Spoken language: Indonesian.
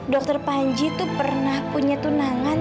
dokter panji itu pernah punya tunangan